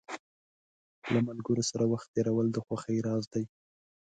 له ملګرو سره وخت تېرول د خوښۍ راز دی.